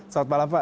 selamat malam pak